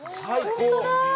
◆本当だ！